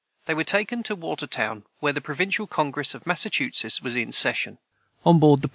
They were taken to Watertown, where the Provincial Congress of Massachusetts was in session.] the 6.